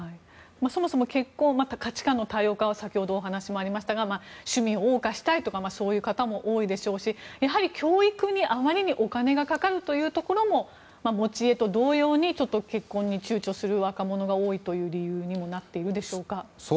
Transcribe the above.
そもそも価値観の多様化の話がありましたが趣味を謳歌したいとかそういう方も多いと思いますしやはり教育に、あまりにお金がかかるというところも持ち家と同様に結婚に躊躇する若者が多い理由にもなっているでしょうか？